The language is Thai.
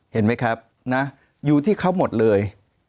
เห็นไหมครับนะอยู่ที่เขาหมดเลย